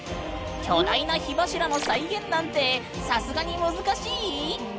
巨大な火柱の再現なんてさすがに難しい？